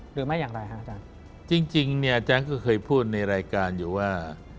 หรือไม่อย่างไรฮะอาจารย์จริงจริงเนี่ยอาจารย์ก็เคยพูดในรายการอยู่ว่า